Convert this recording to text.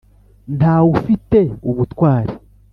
Nta wufite ubutwari